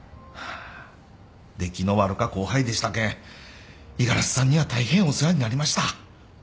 出来の悪か後輩でしたけん五十嵐さんには大変お世話になりました。